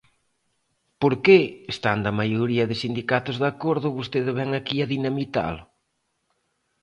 ¿Por que, estando a maioría de sindicatos de acordo, vostede vén aquí a dinamitalo?